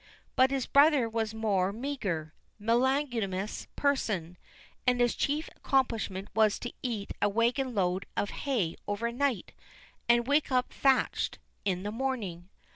But his brother was a more meager, magnanimous person, and his chief accomplishment was to eat a wagon load of hay overnight, and wake up thatched in the morning.